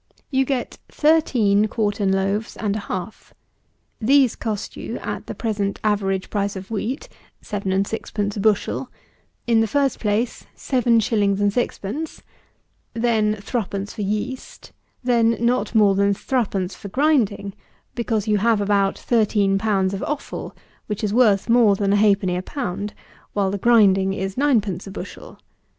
You get thirteen quartern loaves and a half; these cost you, at the present average price of wheat (seven and sixpence a bushel,) in the first place 7_s_. 6_d._; then 3_d._ for yeast; then not more than 3_d._ for grinding; because you have about thirteen pounds of offal, which is worth more than a 1/2_d._ a pound, while the grinding is 9_d._ a bushel.